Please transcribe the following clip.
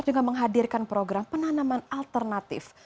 dengan menghadirkan program penanaman alternatif